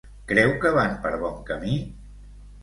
Creu que van per bon camí?